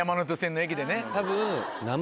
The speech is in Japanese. たぶん。